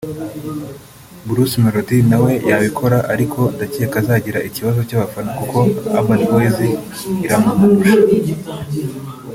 Bruce Melody na we yabikora ariko ndakeka azagira ikibazo cy’abafana kuko Urban Boyz iramurusha